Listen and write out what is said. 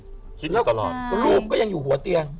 รูปยังอยู่หัวเตียง